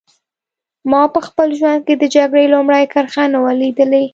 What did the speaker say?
ما په خپل ژوند کې د جګړې لومړۍ کرښه نه وه لیدلې